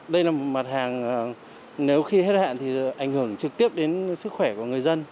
đây là một mặt hàng nếu khi hết hạn thì ảnh hưởng trực tiếp đến sức khỏe của người dân